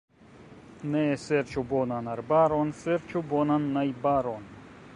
Ne serĉu bonan arbaron, serĉu bonan najbaron.